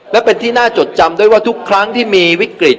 และเป็นที่น่าจดจำด้วยว่าทุกครั้งที่มีวิกฤต